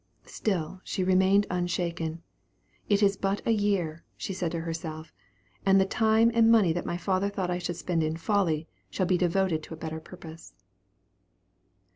Still she remained unshaken. It is but a year, said she to herself, and the time and money that my father thought I should spend in folly, shall be devoted to a better purpose.